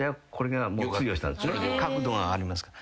角度がありますから。